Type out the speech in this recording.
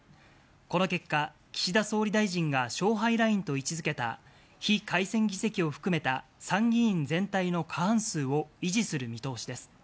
この結果、岸田総理大臣が勝敗ラインと位置付けた非改選議席を含めた参議院全体の過半数を維持する見通しです。